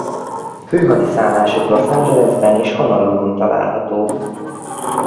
Főhadiszállásuk Los Angeles-ben és Honolulu-n található.